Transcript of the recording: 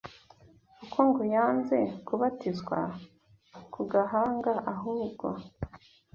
uko ngo yanze kubatizwa ku gahanga ahubwo